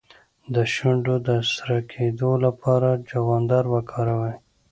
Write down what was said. د شونډو د سره کیدو لپاره چغندر وکاروئ